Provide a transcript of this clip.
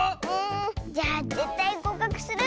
じゃあぜったいごうかくするぞ！